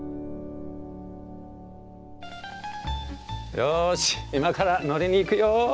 よし今から乗りに行くよ！